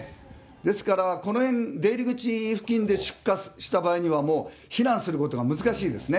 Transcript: ですから、この辺、出入り口付近で出火した場合には、もう避難することが難しいですね。